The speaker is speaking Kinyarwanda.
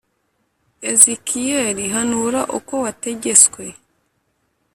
ezikiyeri hanura uko wategeswe